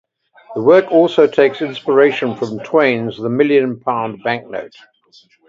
The work also takes inspiration from Twain's "The Million Pound Bank Note".